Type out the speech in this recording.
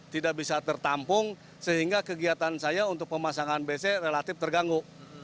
tidak bisa tertampung sehingga kegiatan saya untuk pemasangan bc relatif terganggu